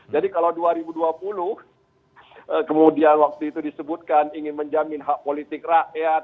jadi kalau dua ribu dua puluh kemudian waktu itu disebutkan ingin menjamin hak politik rakyat